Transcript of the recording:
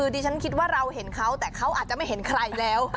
ดิฉันคิดว่าเราเห็นเขาแต่เขาอาจจะไม่เห็นใครแล้ว